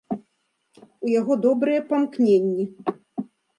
У яго добрыя памкненні.